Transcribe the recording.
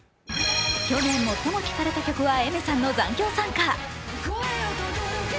去年最も聴かれた曲はＡｉｍｅｒさんの「残響散歌」。